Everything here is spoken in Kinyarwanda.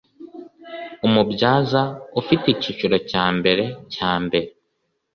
Umubyaza ufite icyiciro cya mbere cya mbere